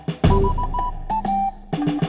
di tempat yang lebih baik